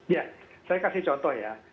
ya saya kasih contoh ya